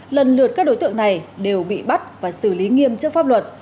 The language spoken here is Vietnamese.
lần lượt các đối tượng này đều bị bắt và xử lý nghiêm trước pháp luật